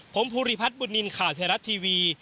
ผมภูริพัฒน์บุตนินข่าวเศรษฐ์ทีวี